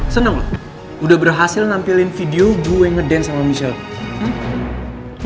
seneng loh udah berhasil nampilin video gue yang ngedance sama michelle